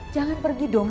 jangan pergi dong